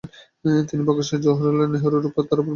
তিনি প্রকাশ্যে জওহরলাল নেহেরুর উপর তার বিরক্তি প্রকাশ করেছিলেন।